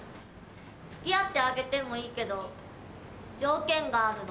付き合ってあげてもいいけど条件があるの。